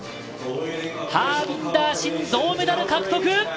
ハービンダー・シン、銅メダル獲得！